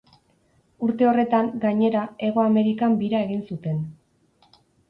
Urte horretan, gainera, Hego Amerikan bira egin zuten.